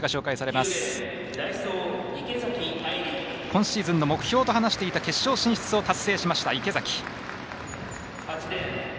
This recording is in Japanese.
今シーズンの目標と話していた決勝進出を達成しました、池崎。